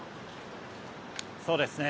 そうですね。